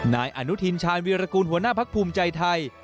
นายอนุทินชาญวิรากูลหัวหน้าพักภูมิใจไทย